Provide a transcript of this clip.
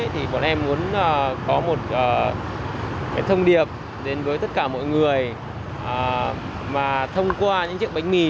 thì bọn em muốn có một thông điệp đến với tất cả mọi người mà thông qua những chiếc bánh mì